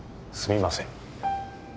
すみません